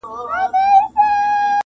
نه ورسره ځي دیار رباب ګونګ سو د اځکه چي